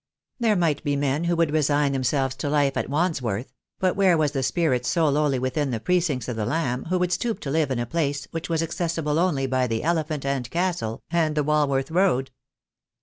There might be men who would resign themselves to life at Wandsworth; but where was the spirit so lowly within the precincts of the Lamb who would stoop to live in a place which was accessible only by the Elephant and Castle and the Walworth Road?